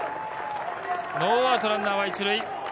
ノーアウト、ランナーは１塁。